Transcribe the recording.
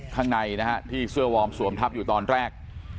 ข้างในนะฮะที่เสื้อวอร์มสวมทับอยู่ตอนแรก